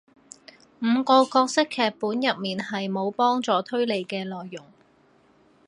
五個角色劇本入面係無幫助推理嘅內容